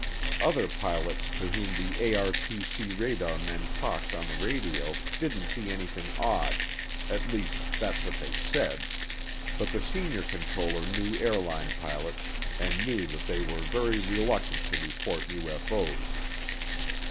Other pilots to whom the ARTC radar men talked on the radio didn't see anything odd, at least that's what they said, but the senior controller knew airline pilots and knew that they were very reluctant to report UFO's.